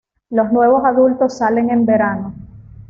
Los nuevos adultos salen en verano.